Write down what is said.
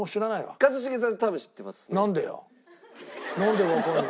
一茂さん。